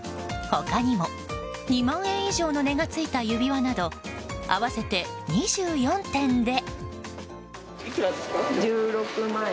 他にも２万円以上の値がついた指輪など合わせて２４点で。